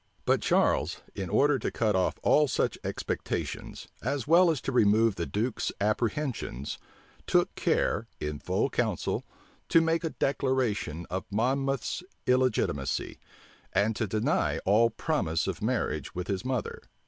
But Charles, in order to cut off all such expectations, as well as to remove the duke's apprehensions, took care, in full council, to make a declaration of Monmouth's illegitimacy, and to deny all promise of marriage with his mother.